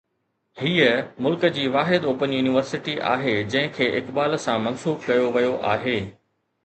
هيءَ ملڪ جي واحد اوپن يونيورسٽي آهي جنهن کي اقبال سان منسوب ڪيو ويو آهي.